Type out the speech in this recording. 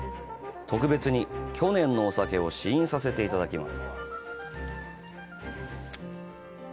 特別に去年のお酒を試飲させていただきます。